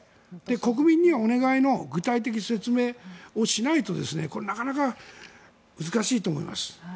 国民にお願いの具体的な説明をしないとこれはなかなか難しいと思います。